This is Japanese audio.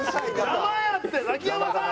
邪魔やってザキヤマさん。